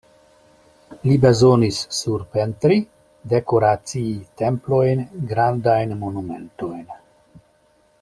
Li bezonis surpentri, dekoracii templojn, grandajn monumentojn.